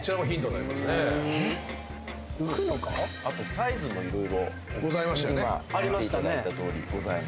サイズも色々今見ていただいたとおりございます。